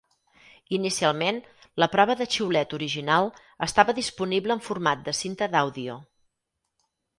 Inicialment, la prova de xiulet original estava disponible en format de cinta d'àudio.